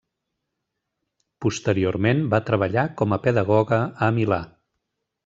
Posteriorment va treballar com a pedagoga a Milà.